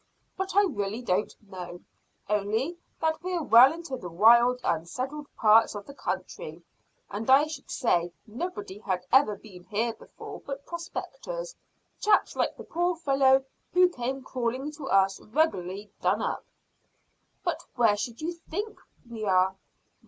But I really don't know, only that we're well into the wild unsettled parts of the country, and I should say nobody had ever been here before but prospectors chaps like the poor fellow who came crawling to us regularly done up." "But where should you think we are?"